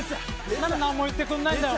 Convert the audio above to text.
なんで何も言ってくれないんだよ。